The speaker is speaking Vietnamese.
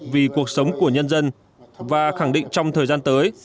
vì cuộc sống của nhân dân và khẳng định trong thời gian tới